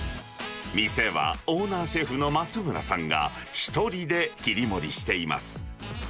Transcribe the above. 店は、オーナーシェフの松村さんが一人で切り盛りしています。